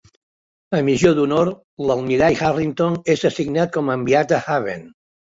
A "Missió d'Honor", l'almirall Harrington és assignat com a enviat a Haven.